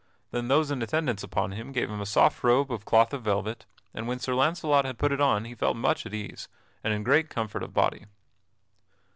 Then those in attendance upon him gave him a soft robe of cloth of velvet, and when Sir Launcelot had put it on he felt much at ease, and in great comfort of body.